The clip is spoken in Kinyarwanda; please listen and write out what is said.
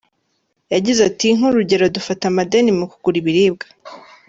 Yagize ati “Nk’urugero dufata amadeni mu kugura ibiribwa.